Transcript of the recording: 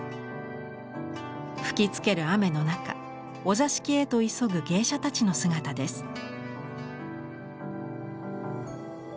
吹きつける雨の中お座敷へと急ぐ芸者たちの姿です。